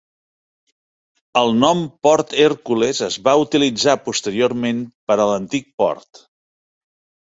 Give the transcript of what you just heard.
El nom Port Hercules es va utilitzar posteriorment per a l"antic port.